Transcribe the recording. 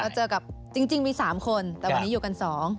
เจอกับจริงมี๓คนแต่วันนี้อยู่กัน๒